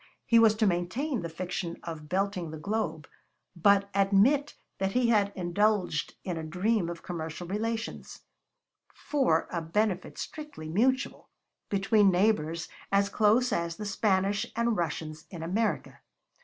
He was to maintain the fiction of belting the globe, but admit that he had indulged in a dream of commercial relations for a benefit strictly mutual between neighbors as close as the Spanish and Russians in America.